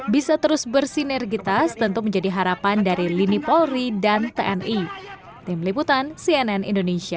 bisa terus bersinergitas tentu menjadi harapan dari lini polri dan tni